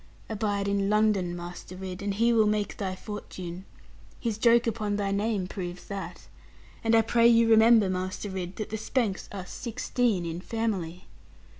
Abide in London, Master Ridd, and he will make thy fortune. His joke upon thy name proves that. And I pray you remember, Master Ridd, that the Spanks are sixteen in family.'